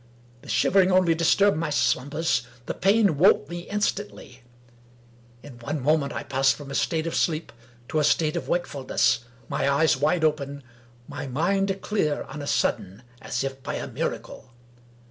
The shivering only disturbed my slumbers — ^the pain woke me instantly. In one moment J passed from a state of sleep to a state of wakefulness — my eyes wide open — ^my mind clear on a sudden as if by a miracle.